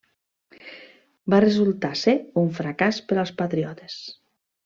Va resultar ser un fracàs per als patriotes.